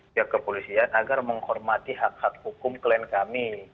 pihak kepolisian agar menghormati hak hak hukum klien kami